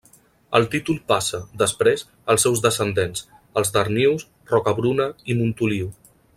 El títol passa, després, als seus descendents: els Darnius, Rocabruna i Montoliu.